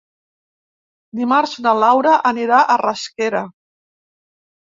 Dimarts na Laura anirà a Rasquera.